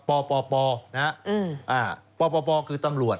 ปปปนะฮะปปปคือตำรวจ